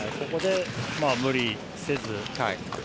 ここで無理せず。